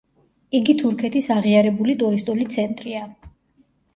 იგი თურქეთის აღიარებული ტურისტული ცენტრია.